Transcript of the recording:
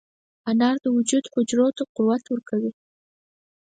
انار د وجود حجرو ته قوت ورکوي.